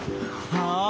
はあ